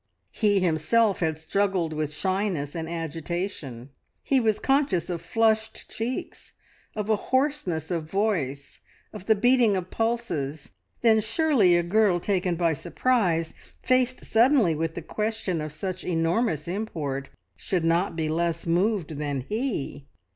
He himself had struggled with shyness and agitation; he was conscious of flushed cheeks, of a hoarseness of voice, of the beating of pulses; then surely a girl taken by surprise, faced suddenly, with the question of such enormous import, should not be less moved than he.